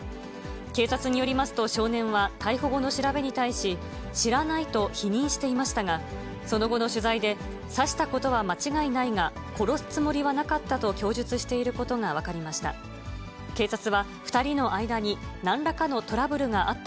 警察によりますと少年は逮捕後の調べに対し、知らないと否認していましたが、その後の取材で、刺したことは間違いないが、殺すつもりはなかったと供述していることが分かりました。